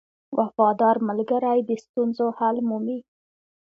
• وفادار ملګری د ستونزو حل مومي.